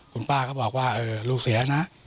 คุณป้าก็บอกว่าลูกเสียนะ